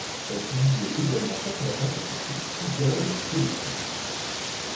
Elle publiait également chaque matin sur son site ses dialogues avec Colossus.